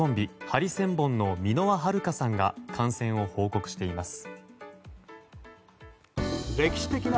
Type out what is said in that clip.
ハリセンボン箕輪はるかさんが感染を報告しています。